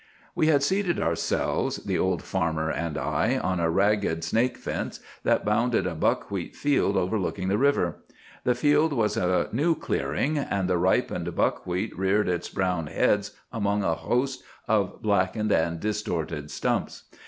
"We had seated ourselves, the old farmer and I, on a ragged snake fence that bounded a buckwheat field overlooking the river. The field was a new clearing, and the ripened buckwheat reared its brown heads among a host of blackened and distorted stumps.